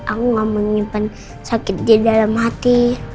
aku gak menyimpan sakit di dalam hati